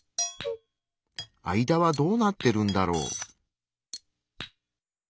あいだはどうなってるんだろう？